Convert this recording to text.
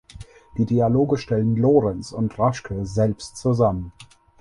Die Dialoge stellen Lorenz und Raschke selbst zusammen.